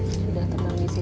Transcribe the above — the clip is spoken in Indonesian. sudah tenang disini